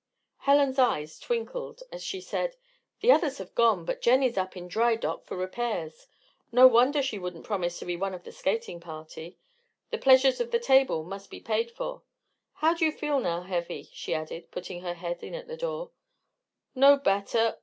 Helen's eyes twinkled, as she said: "The others have gone, but Jennie's up in dry dock for repairs. No wonder she wouldn't promise to be one of the skating party. The pleasures of the table must be paid for How do you feel now, Heavy?" she added, putting her head in at the door. "No better.